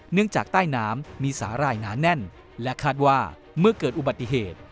จากใต้น้ำมีสาหร่ายหนาแน่นและคาดว่าเมื่อเกิดอุบัติเหตุ